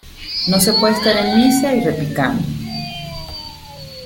No se puede estar en misa y repicando.